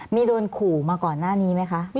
มีโดนขู่มาก่อนหน้านี้ไหมคะ